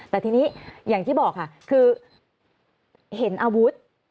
แต่ทีนี้อย่างที่บอกค่ะคือเห็นอาวุธ